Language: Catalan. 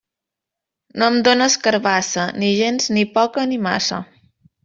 No em dónes carabassa, ni gens, ni poca, ni massa.